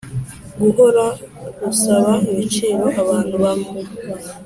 guhora rusaba ibiciro abantu bamwe